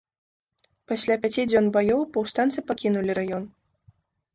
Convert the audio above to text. Пасля пяці дзён баёў паўстанцы пакінулі раён.